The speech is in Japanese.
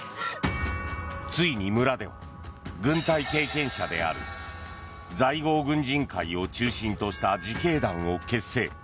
ついに村では軍隊経験者である在郷軍人会を中心とした自警団を結成。